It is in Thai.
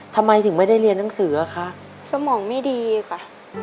ทำไมถึงไม่ได้เรียนหนังสืออ่ะคะสมองไม่ดีค่ะ